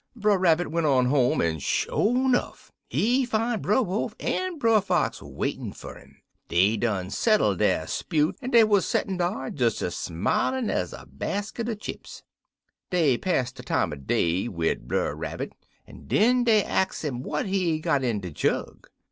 "Brer Rabbit went on home, en sho 'nuff, he fin' Brer Wolf en Brer Fox waitin' fer 'im. Dey'd done settle der 'spute, en dey wuz settin' dar des ez smilin' ez a basket er chips. Dey pass the time er day wid Brer Rabbit, en den dey ax 'im what he got in de jug.